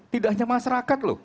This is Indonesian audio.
tidak hanya masyarakat